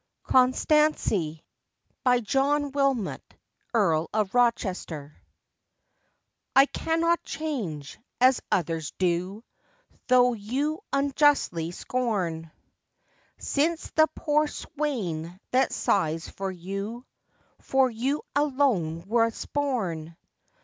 John Wilmot, Earl of Rochester. CONSTANCY. I cannot change, as others do, Though you unjustly scorn; Since the poor swain that sighs for you, For you alone was born.